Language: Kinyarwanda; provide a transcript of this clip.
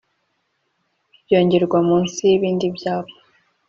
byongerwa munsi y’ibindi byapa